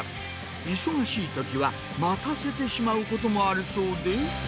忙しいときは、待たせてしまうこともあるそうで。